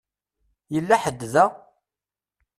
Yella ḥedd da?